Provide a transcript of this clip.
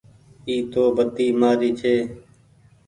اي تو بتي مآري ڇي۔